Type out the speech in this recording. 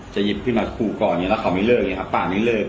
จะยิบพื้นมากู้ก่อนแล้วเขาไม่เลิกปากไม่เลิก